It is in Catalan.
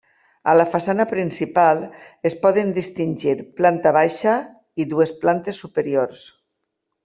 A la façana principal es poden distingir planta baixa i dues plantes superiors.